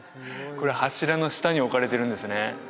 これ柱の下に置かれてるんですね